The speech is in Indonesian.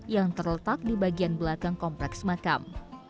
yang terletak di bagian belakang kompleks makam